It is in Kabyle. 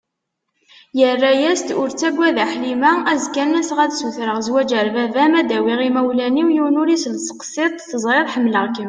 Yerra-as-d: Ur ttaggad a Ḥlima, azekka ad n-aseɣ ad sutreɣ zwaǧ ar baba-m, ad d-awiɣ imawlan-iw, yiwen ur isel tseqsiḍt, teẓriḍ ḥemmleɣ-kem.